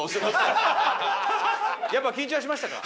やっぱ緊張しましたか？